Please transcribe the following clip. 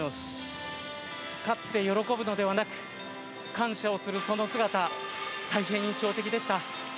勝って喜ぶのではなく感謝をする、その姿大変印象的でした。